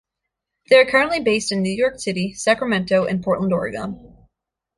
They are currently based in New York City, Sacramento, and Portland, Oregon.